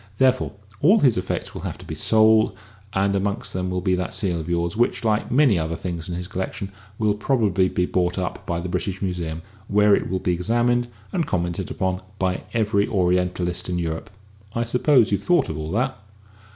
Therefore all his effects will have to be sold, and amongst them will be that seal of yours, which, like many other things in his collection, will probably be bought up by the British Museum, where it will be examined and commented upon by every Orientalist in Europe. I suppose you've thought of all that?"